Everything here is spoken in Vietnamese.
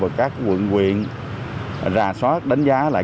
và các quận huyện ra soát đánh giá lại